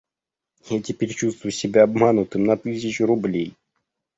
Я теперь чувствую себя обманутым на тысячу рублей